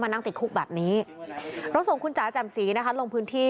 นั่งติดคุกแบบนี้เราส่งคุณจ๋าแจ่มสีนะคะลงพื้นที่